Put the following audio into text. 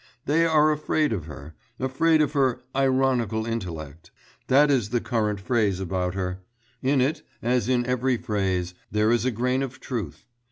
They are afraid of her ... afraid of her 'ironical intellect.' That is the current phrase about her; in it, as in every phrase, there is a grain of truth.